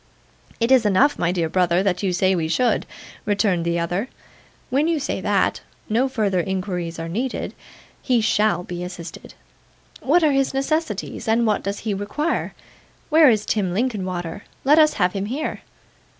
'It is enough, my dear brother, that you say we should,' returned the other. 'When you say that, no further inquiries are needed. He SHALL be assisted. What are his necessities, and what does he require? Where is Tim Linkinwater? Let us have him here.